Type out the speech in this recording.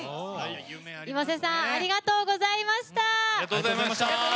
ｉｍａｓｅさんありがとうございました。